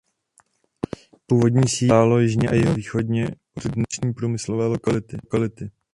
Původní sídlo stálo jižně a jihovýchodně od dnešní průmyslové lokality.